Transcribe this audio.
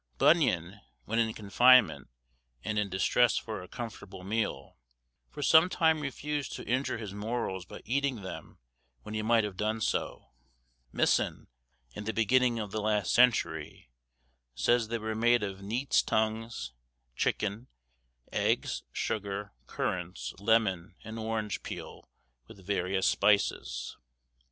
Bunyan, when in confinement and in distress for a comfortable meal, for some time refused to injure his morals by eating them when he might have done so. Misson, in the beginning of the last century, says they were made of neats' tongues, chicken, eggs, sugar, currants, lemon and orange peel, with various spices.